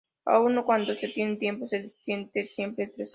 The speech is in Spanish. Aun cuando se tiene tiempo, se siente siempre estresado.